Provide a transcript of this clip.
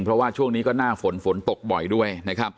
เพราะว่าช่วงนี้ก็หน้าฝนฝนตกบ่อยด้วยนะครับ